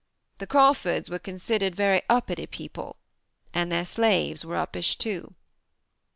The Crawfords were considered very uppity people and their slaves were uppish too.